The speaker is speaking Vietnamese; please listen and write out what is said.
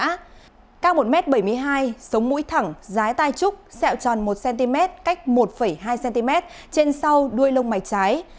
các một m bảy mươi hai sống mũi thẳng dái tay trúc xẹo tròn một cm cách một hai cm trên sau đuôi lông mạch trái